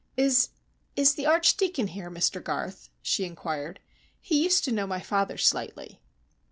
"Is is the Archdeacon here, Mr Garth?" she inquired. "He used to know my father slightly."